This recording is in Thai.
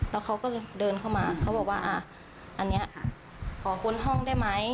แล้วเขาก็เดินเข้ามาเขาบอกว่าอันนี้ขอค้นห้องได้ไหม